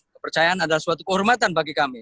kepercayaan adalah suatu kehormatan bagi kami